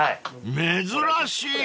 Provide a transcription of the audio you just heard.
［珍しい！